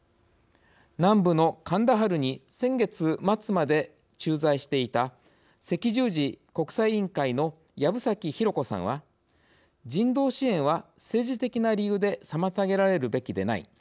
南部のカンダハルに先月末まで駐在していた赤十字国際委員会の藪崎拡子さんは「人道支援は政治的な理由で妨げられるべきでない。